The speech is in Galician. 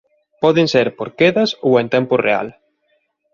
Poden ser por quedas ou en tempo real.